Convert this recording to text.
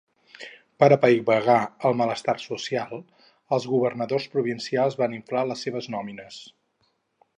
Per apaivagar el malestar social, els governadors provincials van inflar les seves nòmines.